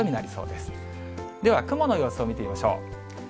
では、雲の様子を見てみましょう。